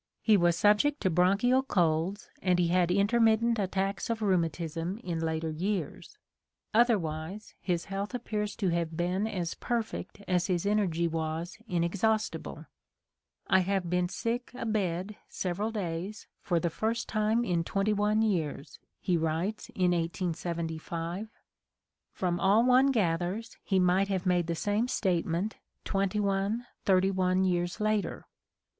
He was subject to bronchial colds and he had intermittent attacks of rheumatism in later years: otherwise, his health appears to have been as perfect as his energy was inexhaustibleN "I have been sick a bed several days, for the first ftme in 21 years, '' he writes in 1875 ; from all one gathers he might have made the same statement twenty one, thirty one years later.